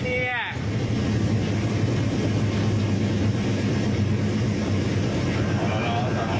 เนี่ยถ้าเป็น